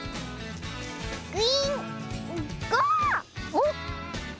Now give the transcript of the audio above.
おっ。